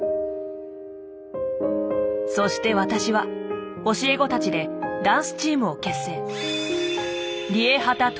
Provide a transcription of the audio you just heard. そして私は教え子たちでダンスチームを結成。